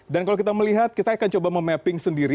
dan kalau kita melihat kita akan coba memapping sendiri